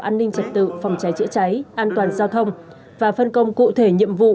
an ninh trật tự phòng cháy chữa cháy an toàn giao thông và phân công cụ thể nhiệm vụ